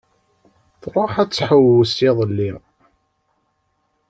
Tṛuḥ ad tḥewwes iḍelli.